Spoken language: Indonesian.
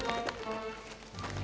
mak itu seperti company